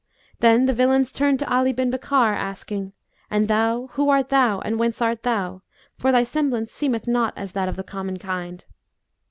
Then the villains turned to Ali bin Bakkar, asking, 'And thou, who art thou and whence art thou? for thy semblance seemeth not as that of the common kind.